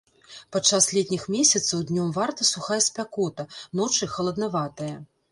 Падчас летніх месяцаў днём варта сухая спякота, ночы халаднаватыя.